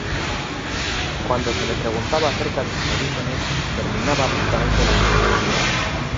Cuando se le preguntaba acerca de sus orígenes, terminaba abruptamente la conversación.